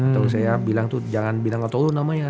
terus saya bilang tuh jangan binangatolu namanya